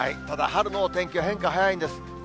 ただ、春のお天気は変化、早いんですね。